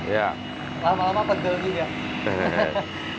ya lama lama pedulinya